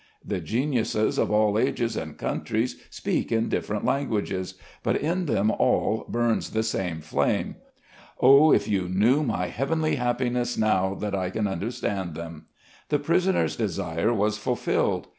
The geniuses of all ages and countries speak in different languages; but in them all burns the same flame. Oh, if you knew my heavenly happiness now that I can understand them!" The prisoner's desire was fulfilled.